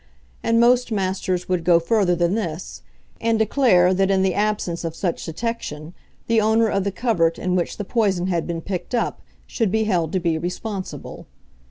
And most Masters would go further than this, and declare that in the absence of such detection the owner of the covert in which the poison had been picked up should be held to be responsible.